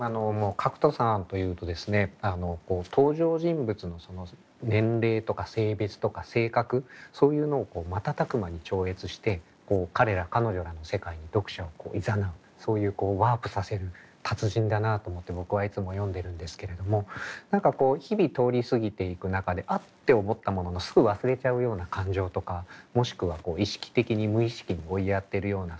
角田さんというとですね登場人物のその年齢とか性別とか性格そういうのを瞬く間に超越して彼ら彼女らの世界に読者をいざなうそういうワープさせる達人だなと思って僕はいつも読んでるんですけれども何かこう日々通り過ぎていく中で「あっ！」て思ったもののすぐ忘れちゃうような感情とかもしくは意識的に無意識に追いやってるようなそういうような思い。